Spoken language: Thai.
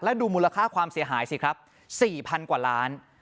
แล้วดูมูลค่าความเสียหายสิครับ๔๐๐๐กว่าล้าน